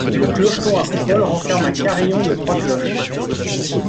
Le clocheton à coupole renferme un carillon de trois cloches.